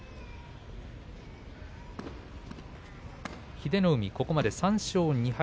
英乃海はここまで３勝２敗。